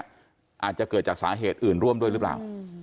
อาจจะเกิดจากสาเหตุอื่นร่วมด้วยหรือเปล่า